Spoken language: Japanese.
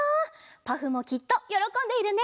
パフもきっとよろこんでいるね。